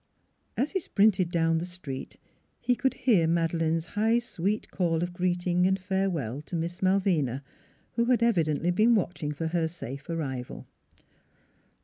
... As he sprinted down the street he could hear Madeleine's high sweet call of greeting and farewell to Miss Malvina, who had evidently been watching for her safe arrival.